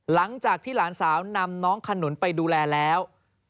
หลังจากที่หลานสาวนำน้องขนุนไปดูแลแล้ว